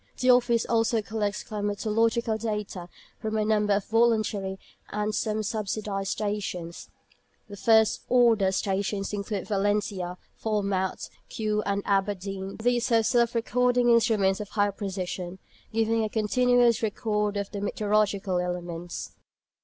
The Office also collects climatological data from a number of voluntary and some subsidised stations. The "first order" stations include Valentia, Falmouth, Kew, and Aberdeen. These have self recording instruments of high precision, giving a continuous record of the meteorological elements.